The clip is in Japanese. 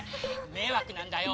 迷惑なんだよ。